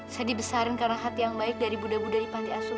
saya dibesarin karena hati yang baik dari buddha buddha di pantai asuhan